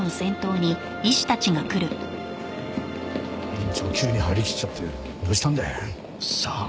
院長急に張り切っちゃってどうしたんだよ？さあ。